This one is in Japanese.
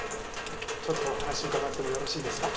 ちょっとお話伺ってもよろしいですか？